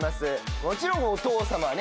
もちろんお父様はね